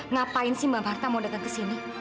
ngapain sih mbak marta mau datang ke sini